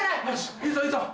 いいぞいいぞ！